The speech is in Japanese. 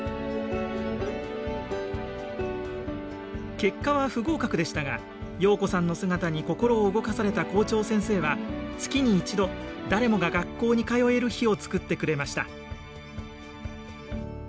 結果は不合格でしたが陽子さんの姿に心を動かされた校長先生は月に一度誰もが学校に通える日をつくってくれました。